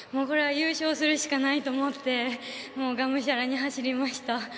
優勝するしかないと思ってがむしゃらに走りました。